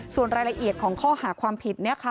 ส่วนรายละเอียดของข้อหาความผิด